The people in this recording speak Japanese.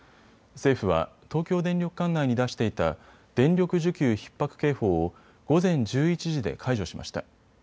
政府は東京電力管内に出していた電力需給ひっ迫警報を午前１１時で解除しました。